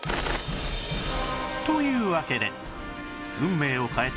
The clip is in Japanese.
というわけで運命を変えた！